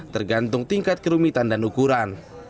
tergantung tingkat kerumitan dan ukuran